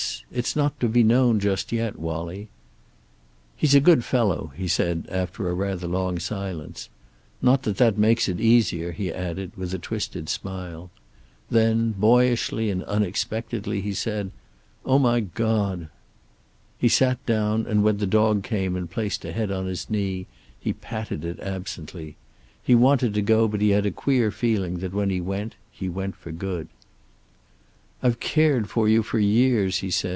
It's not to be known just yet, Wallie." "He's a good fellow," he said, after rather a long silence. "Not that that makes it easier," he added with a twisted smile. Then, boyishly and unexpectedly he said, "Oh, my God!" He sat down, and when the dog came and placed a head on his knee he patted it absently. He wanted to go, but he had a queer feeling that when he went he went for good. "I've cared for you for years," he said.